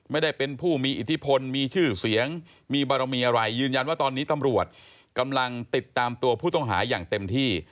ไม่ได้เป็นผู้มีอิทธิพลมีชื่อเสียงมีบารมีอะไรยืนยันว่าตอนนี้ตำรวจกำลังติดตามตัวผู้ต้องหาอย่างเต็มที่